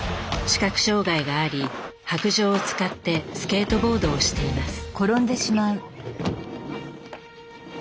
視覚障害があり白杖を使ってスケートボードをしています。